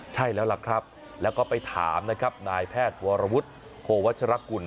ใช่แล้วล่ะครับแล้วก็ไปถามนะครับนายแพทย์วรวุฒิโควัชรกุล